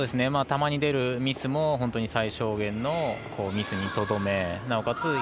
たまに出るミスも本当に最小限のミスにとどめなおかつ